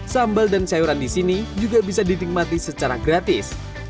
sambal dan sayuran di sini juga bisa dinikmati secara gratis